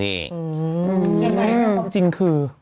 คือกับของจริงคือ